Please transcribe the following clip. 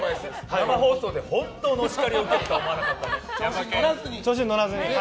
生放送で本当のお叱りを受けるとは思わなかったね。